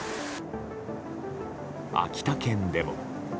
秋田県でも。